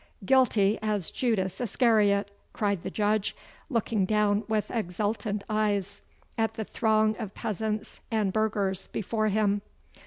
guilty as Judas Iscariot!' cried the Judge, looking down with exultant eyes at the throng of peasants and burghers before him.